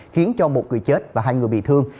khiến cho một người chết và hai người bị thương